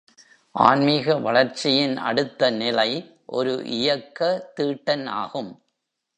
ஆன்மீக வளர்ச்சியின் அடுத்த நிலை ஒரு இயக்க தீட்டன் ஆகும்.